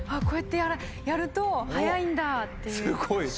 こうやってやると早いんだっていう。